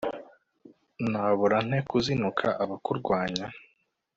nabura nte kuzinukwa abakurwanya